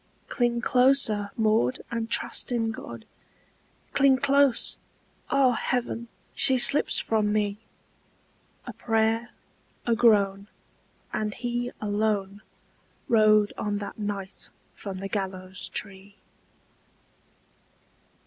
"Cling closer, Maud, and trust in God! Cling close! Ah, heaven, she slips from me!" A prayer, a groan, and he alone Rode on that night from the gallows tree.